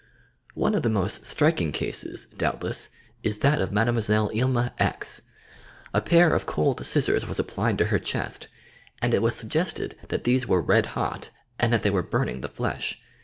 One of the most striking cases, doubtless, is that of MUe. lima X. A pair of cold scissors was applied to her chest, and it was suggested that these were red hot and that they were burning the flesh.